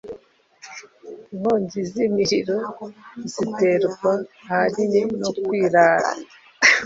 Inkongi z’imiriro ziterwa ahanini no kwirara